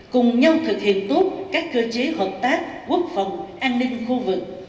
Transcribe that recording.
cùng nhau thực hiện tốt các cơ chế hợp tác quốc phòng an ninh khu vực